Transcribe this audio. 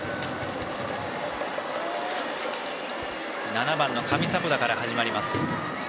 ７番の上迫田から始まります。